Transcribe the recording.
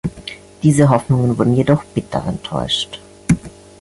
Diese Hoffnungen wurden jedoch bitter enttäuscht.